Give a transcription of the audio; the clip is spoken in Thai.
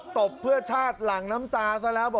บเพื่อชาติหลังน้ำตาซะแล้ว